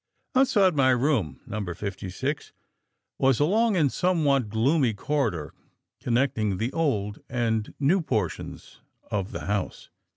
"Outside my room No. 56 was a long and somewhat gloomy corridor connecting the old and new portions of the house.